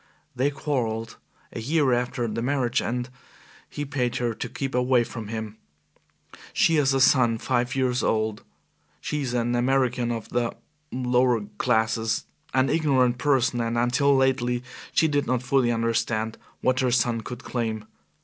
They quarrelled a year after the marriage, and he paid her to keep away from him. She has a son five years old. She is an American of the lower classes, an ignorant person, and until lately she did not fully understand what her son could claim.